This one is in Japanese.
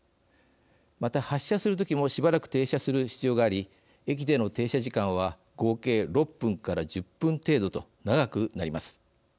また、発車する時もしばらく停車する必要があり駅での停車時間は合計６分から１０分程度と長くなります。